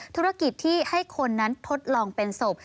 ธุรกิจที่ให้คนนั้นทดลองเป็นศพ